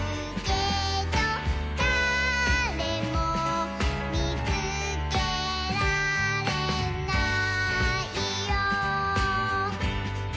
「だれもみつけられないよ」